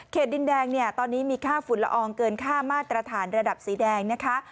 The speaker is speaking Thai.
ดินแดงเนี่ยตอนนี้มีค่าฝุ่นละอองเกินค่ามาตรฐานระดับสีแดงนะคะ